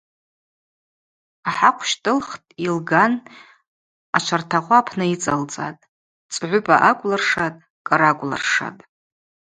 Ахӏахъв щтӏылхтӏ йылган ачвартагъвы апны йыцӏалцӏатӏ, цӏгӏвыпӏа акӏвлыршатӏ, кӏара акӏвлыршатӏ.